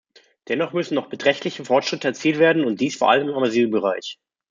Dennoch müssen noch beträchtliche Fortschritte erzielt werden, und dies vor allem im Asylbereich.